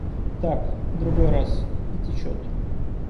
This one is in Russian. Так, другой раз, и течет.